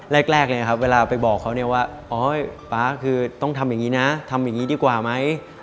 แรกเลยครับเวลาไปบอกเขาเนี่ยว่าโอ๊ยป๊าคือต้องทำอย่างนี้นะทำอย่างนี้ดีกว่าไหม